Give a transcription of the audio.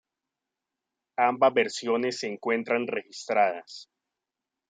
Ambas versiones se encuentran registradas.